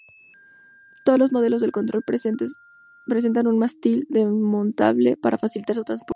Todos los modelos del control presentan un mástil desmontable para facilitar su transporte.